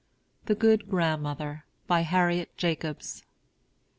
THE GOOD GRANDMOTHER. BY HARRIET JACOBS.